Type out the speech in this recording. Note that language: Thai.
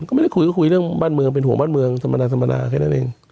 ก็ไม่ได้คุยก็คุยเรื่องบ้านเมืองเป็นห่วงบ้านเมืองธรรมดาแค่นั้นเอง